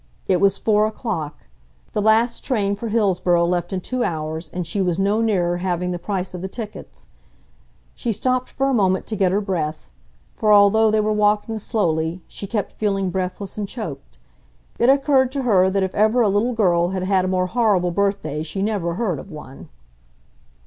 It was four o'clock. The last train for Hillsboro left in two hours and she was no nearer having the price of the tickets. She stopped for a moment to get her breath; for, although they were walking slowly, she kept feeling breathless and choked. It occurred to her that if ever a little girl had had a more horrible birthday she never heard of one!